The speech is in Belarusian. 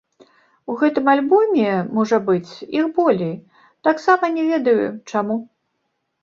У гэтым альбоме, можа быць, іх болей, таксама не ведаю, чаму.